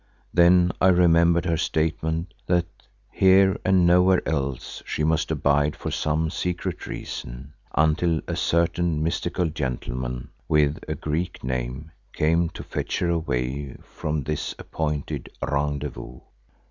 Then I remembered her statement that here and nowhere else she must abide for some secret reason, until a certain mystical gentleman with a Greek name came to fetch her away from this appointed rendezvous.